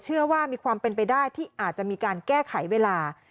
เชื่อว่ามีความเป็นไปได้ที่อาจจะมีการแก้ไขเวลา